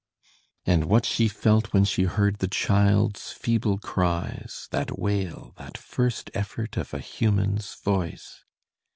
And what she felt when she heard the child's feeble cries, that wail, that first effort of a human's voice!